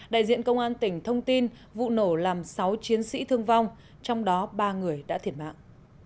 đại diện công an tỉnh thông tin vụ nổ làm sáu chiến sĩ thương vong trong đó ba người đã thiệt mạng